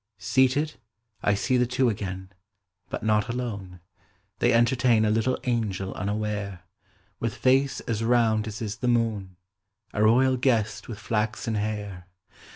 Seated I see the two again, But not alone; the.v entertain A little angej unaware, With face as round as is the moon; A royal guest with flaxen hair.